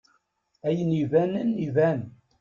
Ayen ibanen iban!